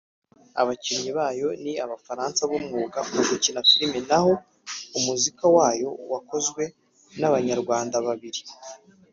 Abakinnyi bayo ni Abafaransa b’umwuga mu gukina film naho umuziki wayo wakozwe n’Abanyarwanda babiri